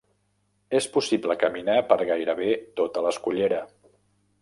És possible caminar per gairebé tota l'escullera.